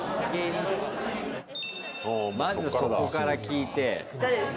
まず、そこから聞いて。